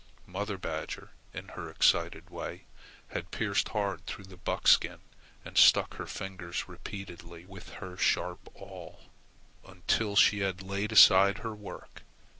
Mother badger, in her excited way, had pierced hard through the buckskin and stuck her fingers repeatedly with her sharp awl until she had laid aside her work.